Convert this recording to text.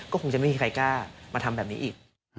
ก็คงจะไม่มีใครกล้ามาทำแบบนี้อีก